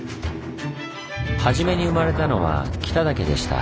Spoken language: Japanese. はじめに生まれたのは北岳でした。